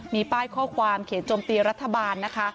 มีป้ายข้อความเขียนจมตีรัฐบาลนะคะ